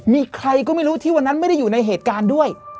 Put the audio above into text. มีใครก็ไม่รู้ที่วันนั้นไม่ได้อยู่ในเหตุการณ์ด้วย